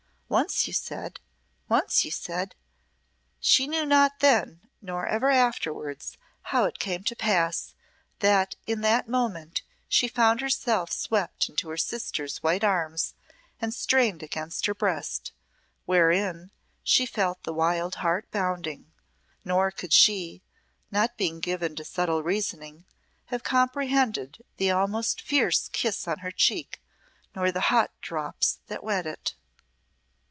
Once you said once you said " She knew not then nor ever afterwards how it came to pass that in that moment she found herself swept into her sister's white arms and strained against her breast, wherein she felt the wild heart bounding; nor could she, not being given to subtle reasoning, have comprehended the almost fierce kiss on her cheek nor the hot drops that wet it.